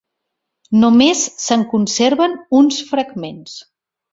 Només se'n conserven uns fragments.